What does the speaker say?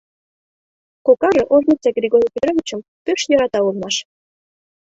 Кокаже ожнысек Григорий Петровичым пеш йӧрата улмаш.